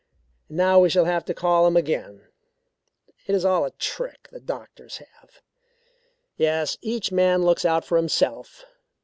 Now we shall have to call him again. It is all a trick that doctors have. Yes, each man looks out for himself.